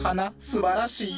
すばらしい。